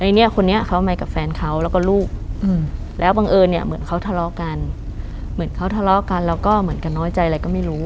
เนี่ยคนนี้เขามากับแฟนเขาแล้วก็ลูกแล้วบังเอิญเนี่ยเหมือนเขาทะเลาะกันเหมือนเขาทะเลาะกันแล้วก็เหมือนกับน้อยใจอะไรก็ไม่รู้